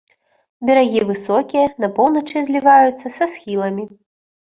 Берагі высокія, на поўначы зліваюцца са схіламі.